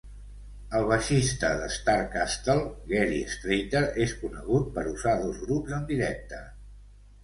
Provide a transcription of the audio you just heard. El baixista d"Starcastle, Gary Strater, és conegut per usar dos grups en directe.